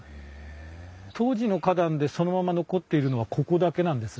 当時の花壇でそのまま残っているのはここだけなんです。